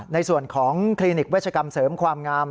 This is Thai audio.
ในส่วนของคลินิกเวชกรรมเสริมความงาม